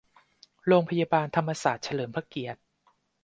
โรงพยาบาลธรรมศาสตร์เฉลิมพระเกียรติ